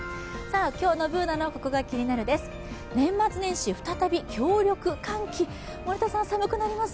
今日のＢｏｏｎａの「ココがキニナル」です。